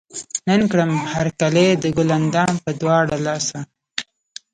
نن کړمه هر کلے د ګل اندام پۀ دواړه لاسه